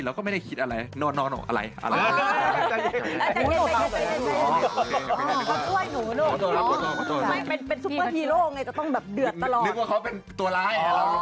นึกว่าเขาสุดนี่เป็นตัวร้าย